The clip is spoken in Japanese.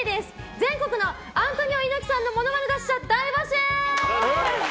全国のアントニオ猪木さんのものまね達者大募集！